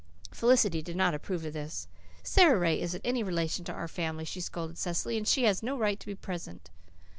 Felicity did not approve of this. "Sara Ray isn't any relation to our family," she scolded to Cecily, "and she has no right to be present."